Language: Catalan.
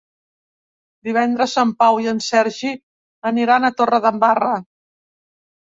Divendres en Pau i en Sergi aniran a Torredembarra.